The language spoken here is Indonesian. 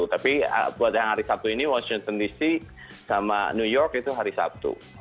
tapi buat yang hari sabtu ini washington dc sama new york itu hari sabtu